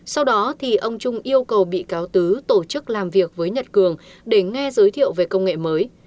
sau đó ông trung yêu cầu bị cáo tứ tổ chức làm việc với nhật cường để nghe giới thiệu về công nghệ mới